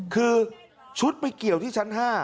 คือชุดไปเกี่ยวที่ชั้น๕